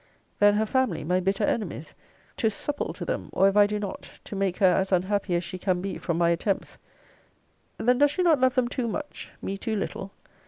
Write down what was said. Then her family, my bitter enemies to supple to them, or if I do not, to make her as unhappy as she can be from my attempts Then does she not love them too much, me too little?